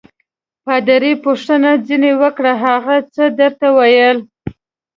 پادري پوښتنه ځینې وکړه: هغه څه درته ویل؟